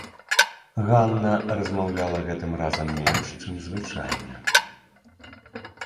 Ганна размаўляла гэтым разам менш, чым звычайна.